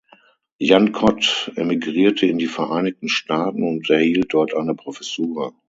Jan Kott emigrierte in die Vereinigten Staaten und erhielt dort eine Professur.